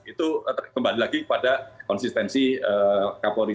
itu kembali lagi pada konsistensi kapolri